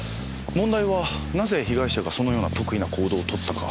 問題はなぜ被害者がそのような特異な行動を取ったか。